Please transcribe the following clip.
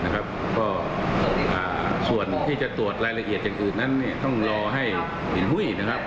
ก็ส่วนที่จะตรวจรายละเอียดอย่างอื่นนั้นต้องรอให้หินหุ้ยนะครับ